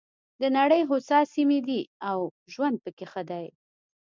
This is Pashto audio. د نړۍ هوسا سیمې دي او ژوند پکې ښه دی.